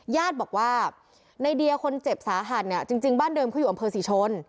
ญาติบอกว่าในเดียคนเจ็บสาหัสเนี่ยจริงบ้านเดิมเขาอยู่อำเภอศรีชน